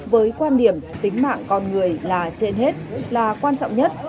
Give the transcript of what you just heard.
với quan điểm tính mạng con người là trên hết là quan trọng nhất